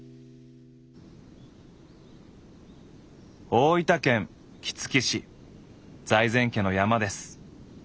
大分県杵築市財前家の山です。